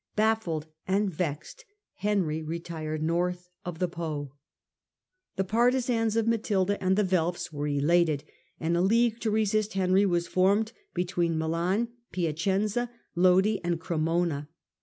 Baffled and vexed, Henry retired north of the Po. The partisans of Matilda and the Welfs were elated, and a league to resist Henry was formed between Milan, Piacenza, Lodi, and Cremona.